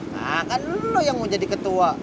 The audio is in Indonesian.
nah kan lo yang mau jadi ketua